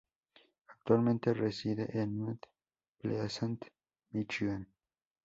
Actualmente reside en Mt. Pleasant, Míchigan.